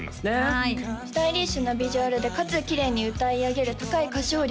はいスタイリッシュなビジュアルでかつきれいに歌い上げる高い歌唱力